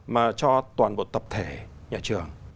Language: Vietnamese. mà phải trao cho toàn bộ tập thể nhà trường